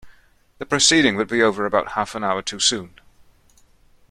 The proceeding would be over about half an hour too soon.